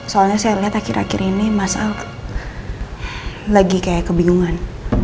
soalnya saya lihat akhir akhir ini mas al lagi kayak kebingungan